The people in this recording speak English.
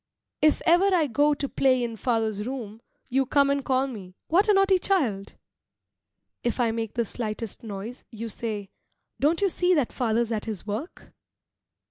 If ever I go to play in father's room, you come and call me, "what a naughty child!" If I make the slightest noise, you say, "Don't you see that father's at his work?"